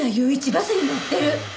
バスに乗ってる！